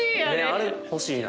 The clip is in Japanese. あれ欲しいな。